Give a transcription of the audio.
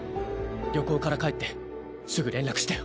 旅行から帰ってすぐ連絡したよ。